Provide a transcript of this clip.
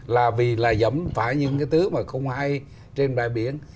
là vì là dẫm phải những cái thứ mà không ai trên bãi biển